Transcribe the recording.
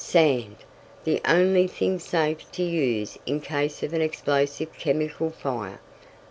Sand! The only thing safe to use in case of an explosive chemical fire.